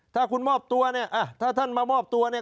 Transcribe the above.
ถ้าคุณมอบตัวเนี่ยถ้าท่านมามอบตัวเนี่ย